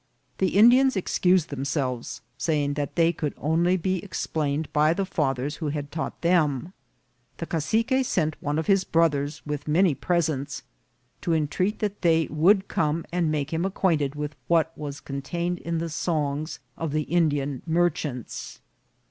The Indians excused themselves, saying that they could only be ex plained by the fathers who had taught them. The ca cique sent one of his brothers with many presents, to A LIVING CITY. 195 entreat that they would come and make him acquainted with what was contained in the songs of the Indian merchants.